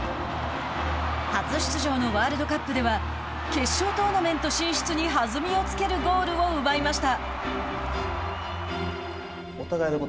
初出場のワールドカップでは決勝トーナメント進出に弾みをつけるゴールを奪いました。